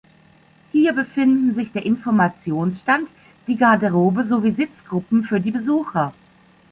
Hier befinden sich der Informationsstand, die Garderobe sowie Sitzgruppen für die Besucher.